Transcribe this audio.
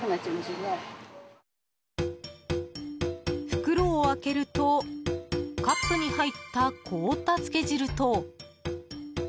袋を開けるとカップに入った凍ったつけ汁と。